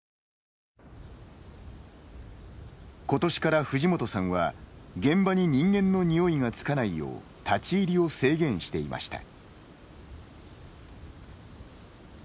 ことしから、藤本さんは、現場に人間の匂いがつかないよう立ち入りを制限していました。